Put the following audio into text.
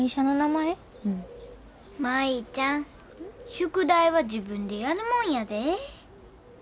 宿題は自分でやるもんやで。